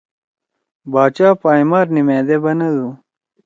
باچا پائں مار نیِمأدے بنَدُو: